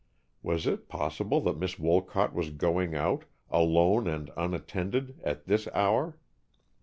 Was it possible that Miss Wolcott was going out, alone and unattended, at this hour?